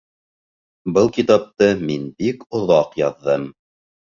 Был китапты мин бик оҙаҡ яҙҙым.